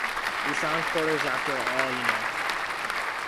We found quarters after all, you know.